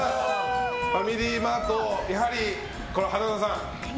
ファミリーマートやはり花澤さん。